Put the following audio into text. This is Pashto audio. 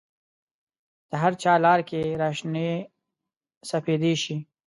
د هرچا لار کې را شنې سپیدې شي